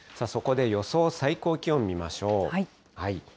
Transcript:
そこで予想最高気温、見ましょう。